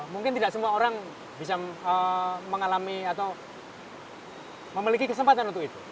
mungkin tidak semua orang bisa mengalami atau memiliki kesempatan untuk itu